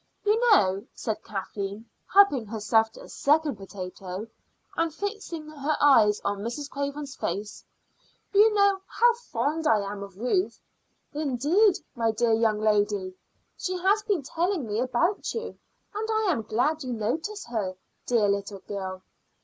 "You know," said Kathleen, helping herself to a second potato, and fixing her eyes on Mrs. Craven's face "you know how fond I am of Ruth." "Indeed, my dear young lady, she has been telling me about you; and I am glad you notice her, dear little girl!"